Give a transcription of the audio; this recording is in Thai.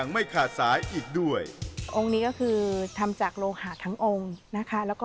องค์นี้ก็คือทำจากโลหะทั้งองค์นะครับ